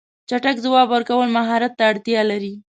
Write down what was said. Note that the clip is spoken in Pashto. چټک ځواب ورکول مهارت ته اړتیا لري.